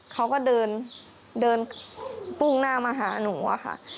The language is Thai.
เขาก็เดินเดินปุ้งหน้ามาหาหนูอะค่ะ